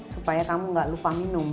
supaya kamu gak lupa minum